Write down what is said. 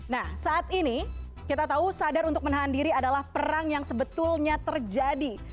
nah saat ini kita tahu sadar untuk menahan diri adalah perang yang sebetulnya terjadi